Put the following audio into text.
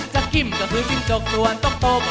จักกิ่มก็คือจริงจกส่วนตกโตก็คือตกแก